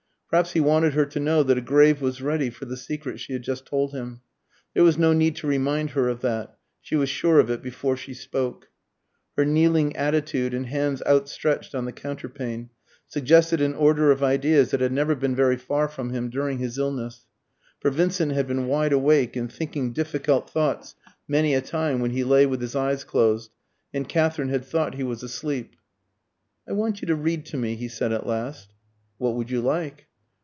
Perhaps he wanted her to know that a grave was ready for the secret she had just told him. There was no need to remind her of that, she was sure of it before she spoke. Her kneeling attitude, and hands outstretched on the counterpane, suggested an order of ideas that had never been very far from him during his illness. For Vincent had been wide awake and thinking difficult thoughts many a time when he lay with his eyes closed, and Katherine had thought he was asleep. "I want you to read to me," he said at last. "What would you like?"